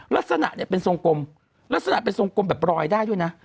ลักษณะเนี่ยเป็นทรงกลมลักษณะเป็นทรงกลมแบบรอยได้ด้วยนะ